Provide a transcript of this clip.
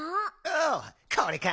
ああこれか？